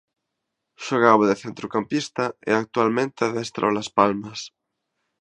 Xogaba de centrocampista e actualmente adestra o Las Palmas.